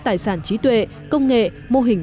tài sản trí tuệ công nghệ mô hình